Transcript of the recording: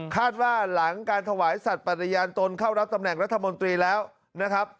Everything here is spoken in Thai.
หลังการถวายสัตว์ปฏิญาณตนเข้ารับตำแหน่งรัฐมนตรีแล้วนะครับ